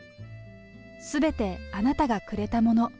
すべてあなたがくれたもの。